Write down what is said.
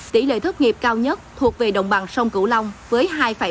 tỷ lệ thất nghiệp cao nhất thuộc về đồng bằng sông cửu long với hai sáu mươi bốn